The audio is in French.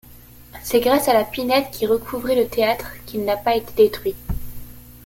C’est grâce à la pinède qui recouvrait le théâtre qu'il n'a pas été détruit.